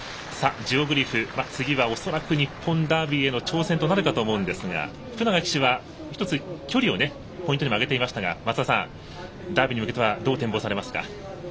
ジオグリフ、次は恐らく日本ダービーへの挑戦となるかと思いますが福永騎手は、一つ距離をポイントにも挙げていましたが松田さん、ダービーに向けてはどう展望されますか？